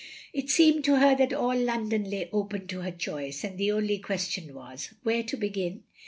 It seemed to her that all London lay open to her choice; and the only question was — ^where to begin?